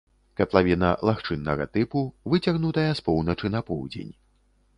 Катлавіна лагчыннага тыпу, выцягнутая з поўначы на поўдзень.